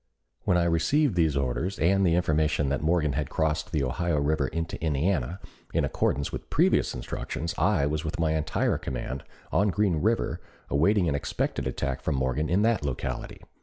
When I received these orders and the information that Morgan had crossed the Ohio River into Indiana, in accordance with previous instructions I was with my entire command on Green River awaiting an expected attack from Morgan in that locality.